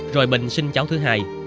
rồi bình sinh cháu thứ hai